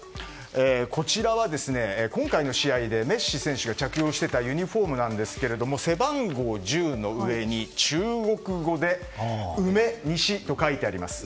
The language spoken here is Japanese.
こちらは今回の試合でメッシ選手が着用していたユニホームなんですが背番号１０の上に中国語で梅、西と書いてあります。